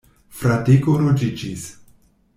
Fradeko ruĝiĝis.